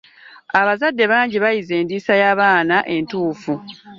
Abazadde bangi bayize endiisa y'abaana entuufu.